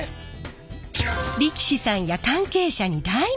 力士さんや関係者に大人気！